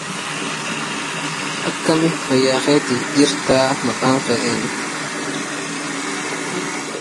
لقد ابتزّها بمبلغ كبير من المال.